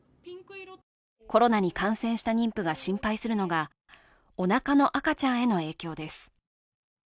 コロナに感染した妊婦が心配するのがおなかの赤ちゃんへの影響です。